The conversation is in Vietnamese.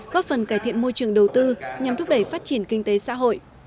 góp phần cải thiện môi trường đầu tư nhằm thúc đẩy phát triển kinh tế xã hội